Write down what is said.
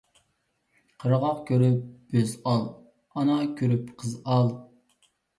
قىرغاق كۆرۈپ بۆز ئال، ئانا كۆرۈپ قىز ئال.